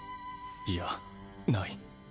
いやない。